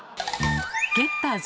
ゲッターズ